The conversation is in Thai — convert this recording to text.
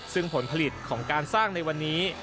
ซึ่งผลผลิตของการสร้างในวันนี้